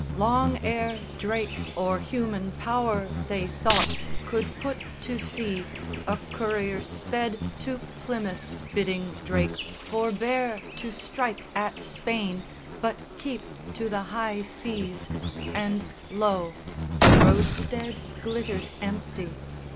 Long ere Drake or human power, They thought, could put to sea, a courier sped To Plymouth bidding Drake forbear to strike At Spain, but keep to the high seas, and lo, The roadstead glittered empty.